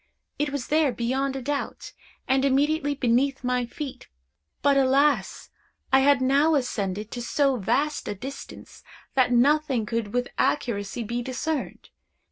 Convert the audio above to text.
It was there, beyond a doubt, and immediately beneath my feet; but, alas! I had now ascended to so vast a distance, that nothing could with accuracy be discerned.